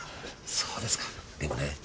そうですか。